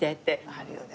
あるよね。